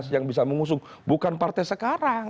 yang bisa mengusung bukan partai sekarang